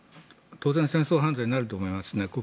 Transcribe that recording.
当然戦争犯罪になると思いますね。